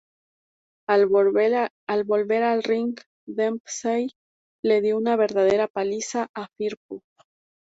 Al volver al ring Dempsey le dio una verdadera paliza a Firpo.